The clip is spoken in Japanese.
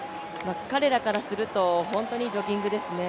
彼らからすると本当にジョギングですね。